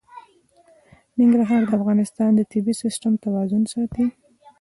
ننګرهار د افغانستان د طبعي سیسټم توازن ساتي.